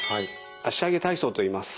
脚上げ体操といいます。